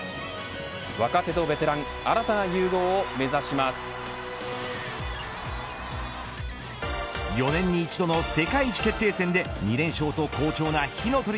若手とベテラン４年に一度の世界一決定戦で２連勝と好調な火の鳥